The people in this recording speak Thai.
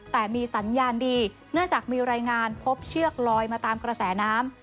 แต่มีสัญญาณดีเนื่องจากมีรายงานพบเชือกลอยมาตามกระแสน้ำ